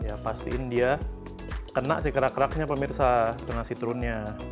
ya pastiin dia kena si kerak keraknya pemirsa tuna sitrunnya